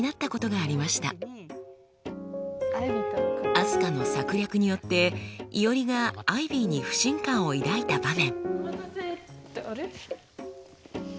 あすかの策略によっていおりがアイビーに不信感を抱いた場面。